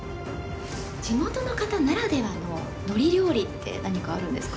地元の方ならではの海苔料理って何かあるんですか？